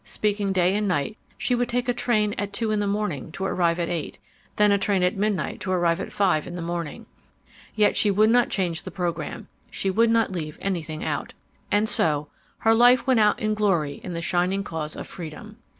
Speaking day and night, she would take a train at two in the morning to arrive at eight; then a train at midnight to arrive at five in the morning. Yet she would not change the program; she would not leave anything out ... "And so ... her life went out in glory in the shining cause of freedom.